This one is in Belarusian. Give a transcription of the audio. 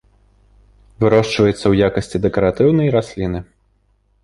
Вырошчваецца ў якасці дэкаратыўнай расліны.